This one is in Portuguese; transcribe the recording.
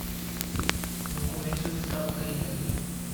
No começo eu estava ganhando.